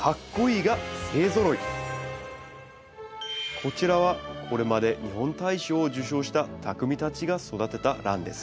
こちらはこれまで日本大賞を受賞した匠たちが育てたランです。